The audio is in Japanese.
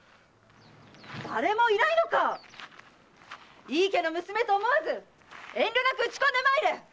誰もいないのか⁉井伊家の娘と思わず遠慮なく打ち込んでまいれ！